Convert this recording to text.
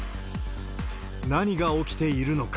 何が起きているのか。